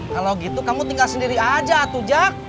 kalau gitu kamu tinggal sendiri aja tujak